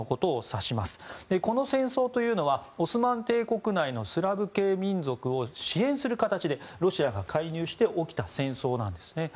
この戦争というのはオスマン帝国内のスラブ系民族を支援する形でロシアが介入して起きた戦争なんですね。